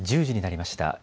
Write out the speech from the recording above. １０時になりました。